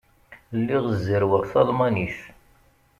Lliɣ zerrweɣ talmanit.